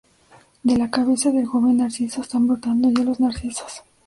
De la cabeza del joven Narciso están brotando ya los narcisos.